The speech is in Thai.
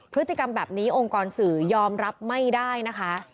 พฤติกรรมแบบนี้องค์กรสื่อยอมรับไม่ได้นะคะ